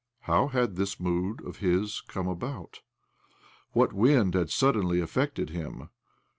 How had this mood of his come about? What wind had suddenly affected him